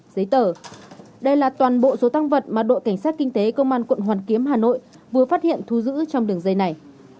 giấy tờ đây là toàn bộ số tăng vật mà đội cảnh sát kinh tế công an quận hoàn kiếm hà nội vừa phát hiện thu giữ trong đường dây này